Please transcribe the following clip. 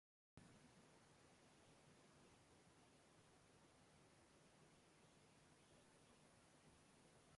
• Kichkina uchqundan katta yong‘inlar yuzaga keladi.